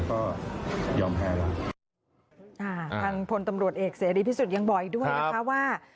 ทางพลตำรวจเอกเสรีพิสุทธิ์ยังบอกอีกด้วยนะคะว่า